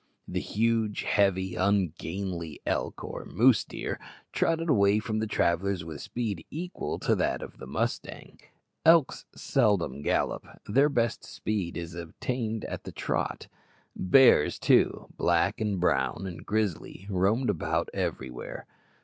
The huge, heavy, ungainly elk, or moose deer, trotted away from the travellers with speed equal to that of the mustang: elks seldom gallop; their best speed is attained at the trot. Bears, too, black, and brown, and grizzly, roamed about everywhere.